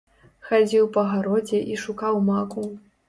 Хадзіў па гародзе і шукаў маку.